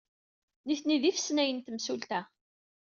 Nitni d ifesyanen n temsulta.